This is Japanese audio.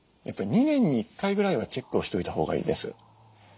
やっぱり２年に１回ぐらいはチェックをしといたほうがいいです。